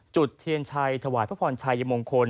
จุดเทียนชัยถวายพระพรชัยมงคล